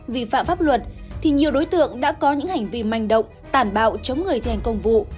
vi phạm pháp luật thì nhiều đối tượng đã có những hành vi manh động tàn bạo chống người thành công vụ